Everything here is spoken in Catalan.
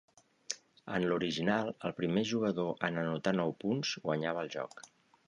En l'original, el primer jugador en anotar nou punts guanyava el joc.